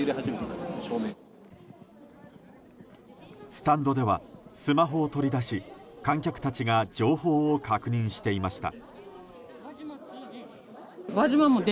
スタンドではスマホを取り出し観客たちが情報を確認していました。